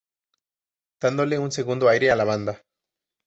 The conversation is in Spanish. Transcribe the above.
Dándole un segundo aire a la banda.